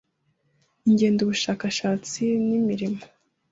Ingendo ubushakashatsi nimirimo